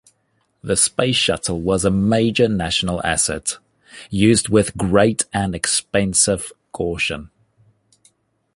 The Space Shuttle was a major national asset, used with great and expensive caution.